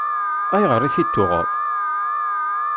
Ayɣer i t-id-tuɣeḍ?